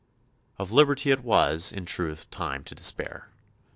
Of liberty it was, in truth, time to despair.